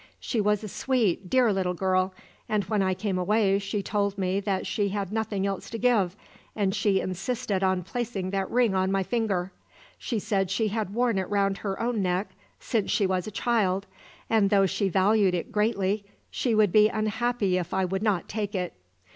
She was a sweet, dear little girl; and when I came away she told me that she had nothing else to give, and she insisted on placing that ring on my finger. She said she had worn it round her own neck since she was a child, and though she valued it greatly, she should be unhappy if I would not take it.